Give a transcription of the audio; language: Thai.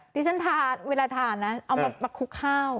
ที่ฉันทานเวลาทานนะเอามาคลุกข้าว